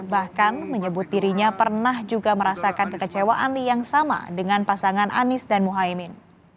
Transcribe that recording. bahkan menyebut dirinya pernah juga merasakan kekecewaan yang sama dengan pasangan anies dan muhaymin